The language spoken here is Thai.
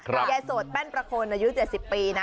ยายโสดแป้นประโคนอายุ๗๐ปีนะ